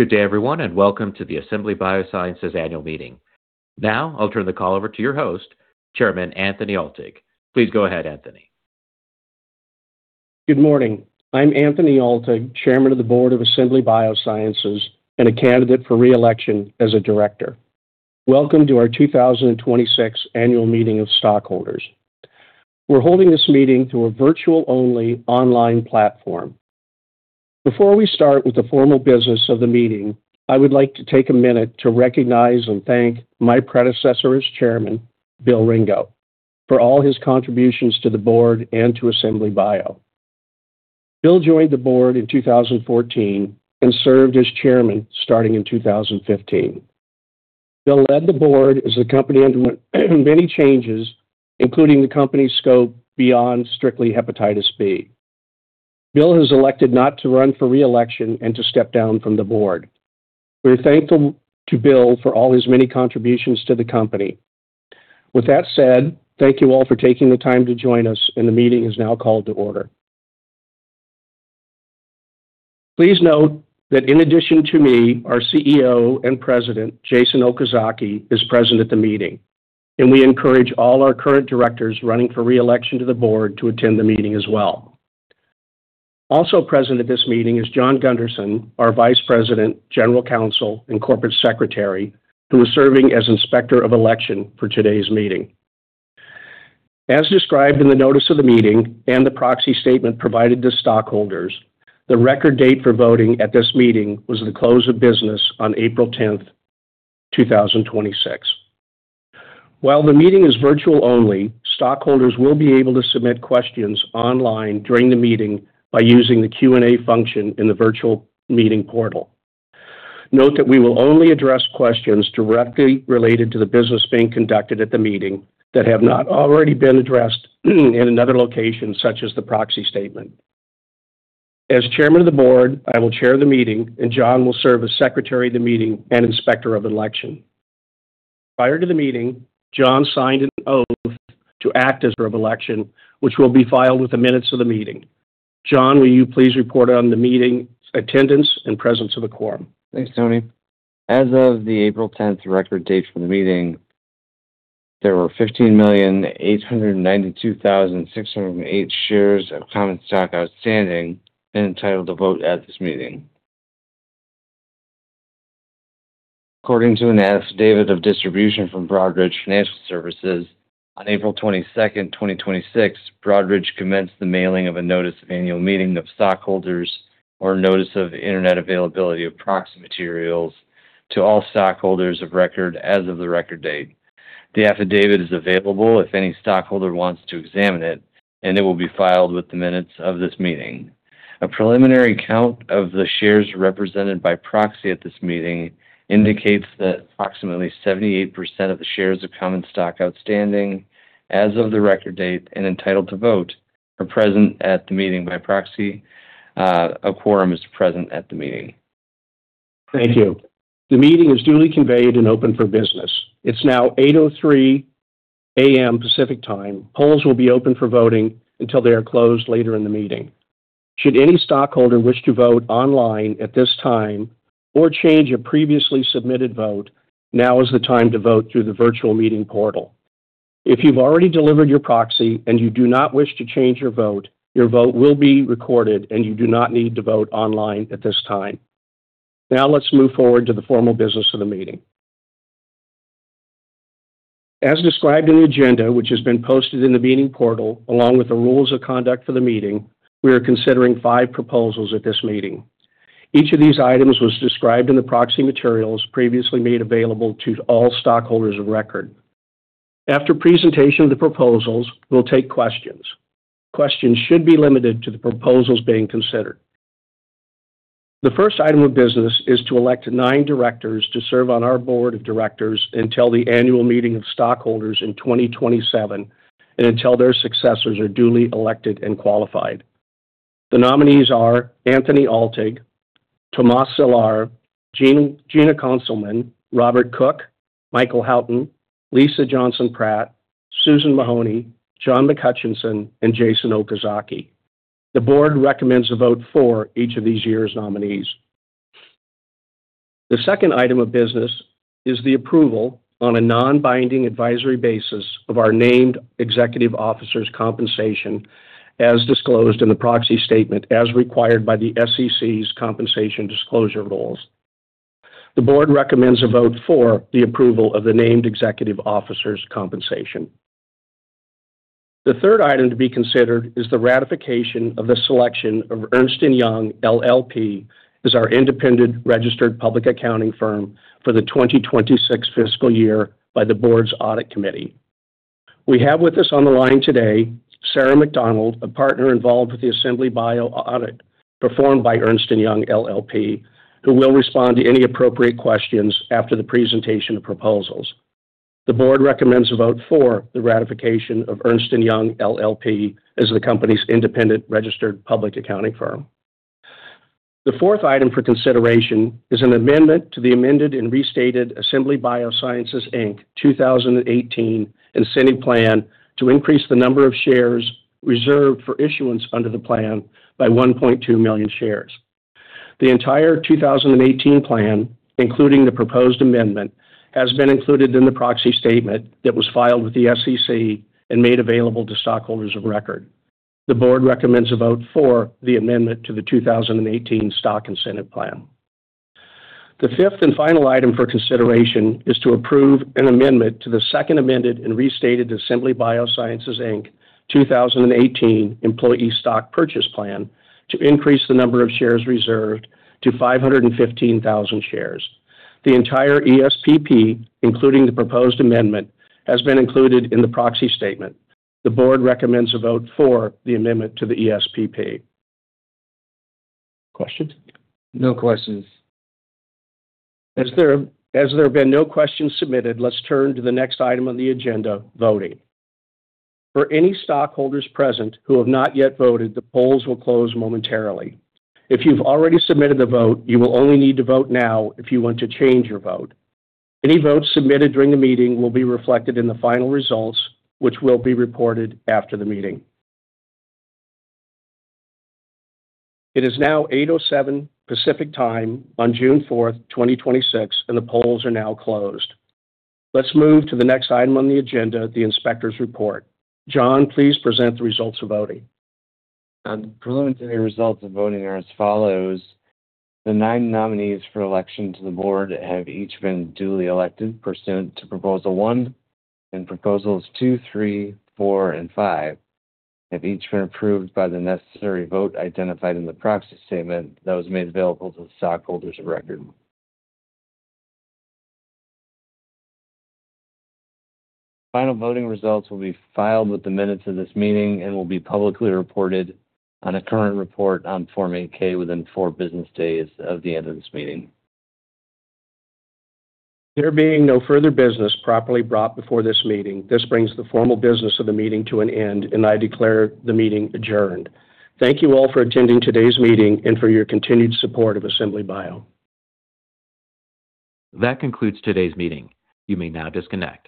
Good day, everyone, and welcome to the Assembly Biosciences Annual Meeting. Now, I'll turn the call over to your host, Chairman Anthony Altig. Please go ahead, Anthony. Good morning. I'm Anthony Altig, Chairman of the Board of Assembly Biosciences and a candidate for re-election as a director. Welcome to our 2026 annual meeting of stockholders. We're holding this meeting through a virtual-only online platform. Before we start with the formal business of the meeting, I would like to take a minute to recognize and thank my predecessor as Chairman, Bill Ringo, for all his contributions to the Board and to Assembly Bio. Bill joined the Board in 2014 and served as Chairman starting in 2015. Bill led the Board as the Company underwent many changes, including the Company's scope beyond strictly Hepatitis B. Bill has elected not to run for re-election and to step down from the Board. We're thankful to Bill for all his many contributions to the Company. With that said, thank you all for taking the time to join us. The meeting is now called to order. Please note that in addition to me, our CEO and President, Jason Okazaki, is present at the meeting, and we encourage all our current directors running for re-election to the board to attend the meeting as well. Present at this meeting is John Gunderson, our Vice President, General Counsel, and Corporate Secretary, who is serving as Inspector of Election for today's meeting. As described in the notice of the meeting and the proxy statement provided to stockholders, the record date for voting at this meeting was the close of business on April 10, 2026. While the meeting is virtual only, stockholders will be able to submit questions online during the meeting by using the Q&A function in the virtual meeting portal. Note that we will only address questions directly related to the business being conducted at the meeting that have not already been addressed in another location, such as the proxy statement. As Chairman of the Board, I will chair the meeting, and John will serve as Secretary of the Meeting and Inspector of Elections. Prior to the meeting, John signed an oath to act as Inspector of Election, which will be filed with the minutes of the meeting. John, will you please report on the meeting's attendance and the presence of a quorum? Thanks, Tony. As of the April 10th record date for the meeting, there were 15,892,608 shares of common stock outstanding and entitled to vote at this meeting. According to an affidavit of distribution from Broadridge Financial Solutions, on April 22nd, 2026, Broadridge commenced the mailing of a notice of annual meeting of stockholders or notice of internet availability of proxy materials to all stockholders of record as of the record date. The affidavit is available if any stockholder wants to examine it, and it will be filed with the minutes of this meeting. A preliminary count of the shares represented by proxy at this meeting indicates that approximately 78% of the shares of common stock outstanding as of the record date and entitled to vote are present at the meeting by proxy. A quorum is present at the meeting. Thank you. The meeting is duly conveyed and open for business. It's now 8:03 A.M. Pacific Time. Polls will be open for voting until they are closed later in the meeting. Should any stockholder wish to vote online at this time or change a previously submitted vote, now is the time to vote through the virtual meeting portal. If you've already delivered your proxy and you do not wish to change your vote, your vote will be recorded, and you do not need to vote online at this time. Let's move forward to the formal business of the meeting. As described in the agenda, which has been posted in the meeting portal along with the rules of conduct for the meeting, we are considering five proposals at this meeting. Each of these items was described in the proxy materials previously made available to all stockholders of record. After the presentation of the proposals, we'll take questions. Questions should be limited to the proposals being considered. The first item of business is to elect nine directors to serve on our Board of Directors until the annual meeting of stockholders in 2027 and until their successors are duly elected and qualified. The nominees are Anthony Altig, Tomas Cihlar, Gina Consylman, Rob Cook, Michael Houghton, Lisa Johnson-Pratt, Sue Mahony, John McHutchison, and Jason Okazaki. The board recommends a vote for each of these years' nominees. The second item of business is the approval on a non-binding advisory basis of our named executive officers' compensation as disclosed in the proxy statement, as required by the SEC's compensation disclosure rules. The board recommends a vote for the approval of the named executive officers' compensation. The third item to be considered is the ratification of the selection of Ernst & Young LLP as our independent registered public accounting firm for the 2026 fiscal year by the board's audit committee. We have with us on the line today Sarah McDonald, a partner involved with the Assembly Bio audit performed by Ernst & Young LLP, who will respond to any appropriate questions after the presentation of proposals. The board recommends a vote for the ratification of Ernst & Young LLP as the company's independent registered public accounting firm. The fourth item for consideration is an amendment to the amended and restated Assembly Biosciences, Inc. 2018 incentive plan to increase the number of shares reserved for issuance under the plan by 1.2 million shares. The entire 2018 plan, including the proposed amendment, has been included in the proxy statement that was filed with the SEC and made available to stockholders of record. The board recommends a vote for the amendment to the 2018 stock incentive plan. The fifth and final item for consideration is to approve an amendment to the second amended and restated Assembly Biosciences, Inc. 2018 employee stock purchase plan to increase the number of shares reserved to 515,000 shares. The entire ESPP, including the proposed amendment, has been included in the proxy statement. The board recommends a vote for the amendment to the ESPP. Questions? No questions. As there have been no questions submitted, let's turn to the next item on the agenda, voting. For any stockholders present who have not yet voted, the polls will close momentarily. If you've already submitted a vote, you will only need to vote now if you want to change your vote. Any votes submitted during the meeting will be reflected in the final results, which will be reported after the meeting. It is now 8:07 A.M. Pacific Time on June 4th, 2026, and the polls are now closed. Let's move to the next item on the agenda, the inspector's report. John, please present the results of the voting. The preliminary results of voting are as follows. The nine nominees for election to the board have each been duly elected pursuant to proposal 1, and proposals 2, 3, 4, and 5 have each been approved by the necessary vote identified in the proxy statement that was made available to the stockholders of record. Final voting results will be filed with the minutes of this meeting and will be publicly reported on a current report on Form 8-K within four business days of the end of this meeting. There being no further business properly brought before this meeting, this brings the formal business of the meeting to an end, and I declare the meeting adjourned. Thank you all for attending today's meeting and for your continued support of Assembly Bio. That concludes today's meeting. You may now disconnect.